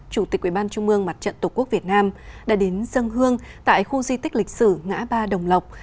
chủ tịch quỹ ban trung mương mặt trận tổ quốc việt nam đã đến dân hương tại khu di tích lịch sử ngã ba đồng lộc